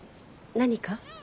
何か？